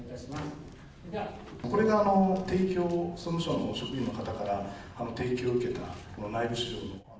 これが提供、総務省の職員の方から提供を受けた内部資料。